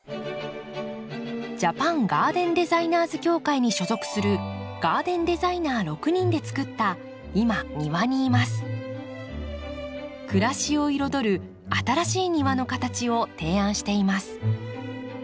ジャパンガーデンデザイナーズ協会に所属するガーデンデザイナー６人でつくった暮らしを彩る新しい庭の形を提案しています。